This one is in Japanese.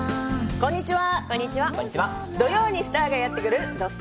こんにちは。